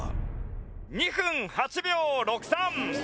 ２分８秒６３！